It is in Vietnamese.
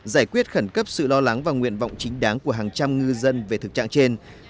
giải quyết khẩn cấp sự lo lắng và nguyện vọng chính đáng của hàng trăm ngư dân về thực trạng trên